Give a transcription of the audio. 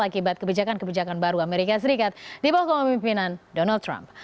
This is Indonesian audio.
akibat kebijakan kebijakan baru amerika serikat di bawah kemimpinan donald trump